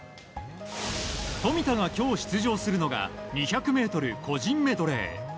富田が今日出場するのが２００ｍ個人メドレー。